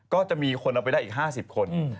ก็จะมีคนเอาไปได้อีก๕๐คน